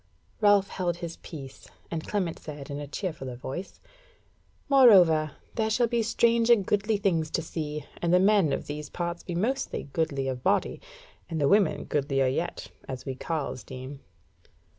Ralph held his peace, and Clement said in a cheerfuller voice: "Moreover, there shall be strange and goodly things to see; and the men of these parts be mostly goodly of body, and the women goodlier yet, as we carles deem."